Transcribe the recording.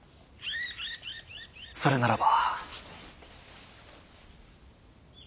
それならば。